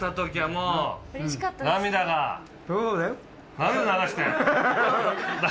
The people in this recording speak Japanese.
涙流して。